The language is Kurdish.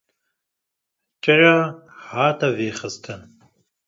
Çira hat vêxistin